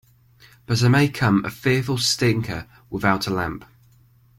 But I may come a fearful stinker without a lamp.